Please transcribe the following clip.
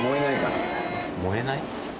燃えない？